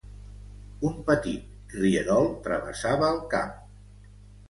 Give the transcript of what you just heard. Un petit rierol travessava el camp.